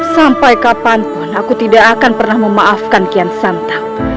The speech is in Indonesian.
sampai kapanpun aku tidak akan pernah memaafkan kian santa